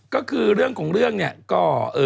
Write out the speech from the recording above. ก็คือเรื่องของเรื่องเนี่ยก็